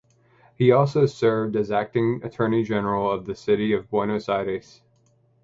He also served as Acting Attorney General of the city of Buenos Aires.